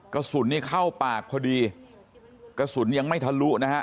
กระสุนนี้เข้าปากพอดีกระสุนยังไม่ทะลุนะฮะ